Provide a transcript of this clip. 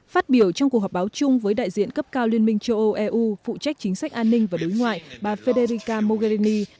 phát biểu trong cuộc họp báo chung với đại diện cấp cao liên minh châu âu eu phụ trách chính sách an ninh và đối ngoại bà federica mogherini